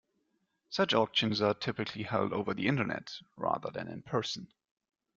Such auctions are typically held over the Internet, rather than in person.